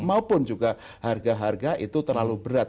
maupun juga harga harga itu terlalu berat